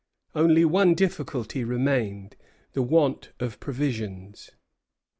Only one difficulty remained, the want of provisions.